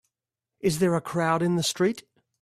Is there a crowd in the street?